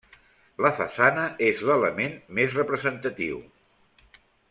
La façana és l'element més representatiu.